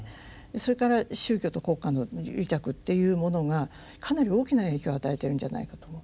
それから宗教と国家の癒着っていうものがかなり大きな影響を与えているんじゃないかと思う。